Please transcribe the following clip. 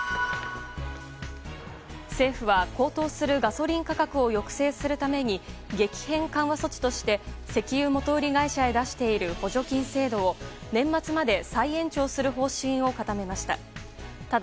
政府は高騰するガソリン価格を抑制するために激変緩和措置として石油元売り会社へ出している補助金制度を年末まで再延長する方針を固めました。